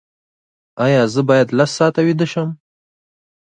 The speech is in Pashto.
ایا زه باید لس ساعته ویده شم؟